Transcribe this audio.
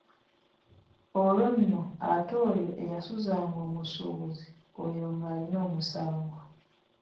Olwo nno ate oyo eyasuzanga omusuubuzi oyo ng’alina omusango.